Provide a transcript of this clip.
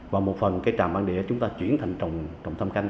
và một phần tràm bản địa chúng ta chuyển thành trồng thăm canh